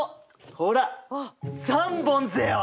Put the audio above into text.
ほら３本ぜよ！